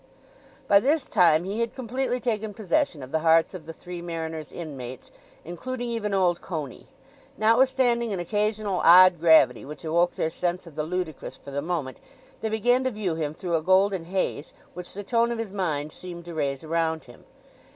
By this time he had completely taken possession of the hearts of the Three Mariners' inmates, including even old Coney. Notwithstanding an occasional odd gravity which awoke their sense of the ludicrous for the moment, they began to view him through a golden haze which the tone of his mind seemed to raise around him.